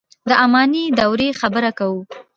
د اماني دورې خبره کوو.